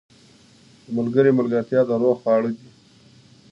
• د ملګري ملګرتیا د روح خواړه دي.